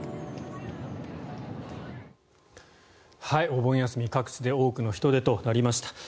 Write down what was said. お盆休み、各地で多くの人出となりました。